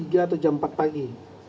jam atau jam empat pagi